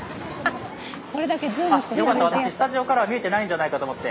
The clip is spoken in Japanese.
よかった、スタジオからは見えてないんじゃないかと思って。